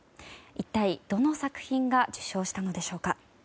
一体どの作品が受賞したのでしょうか。